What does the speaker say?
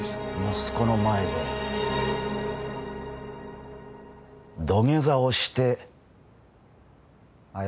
息子の前で土下座をして謝りなさい。